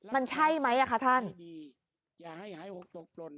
มันใช่ไหมอะคะท่าน